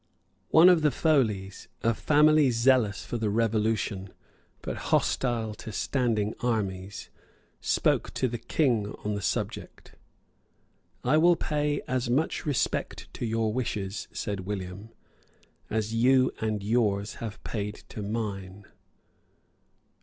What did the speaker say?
One of the Foleys, a family zealous for the Revolution, but hostile to standing armies, spoke to the King on the subject. "I will pay as much respect to your wishes," said William, "as you and yours have paid to mine."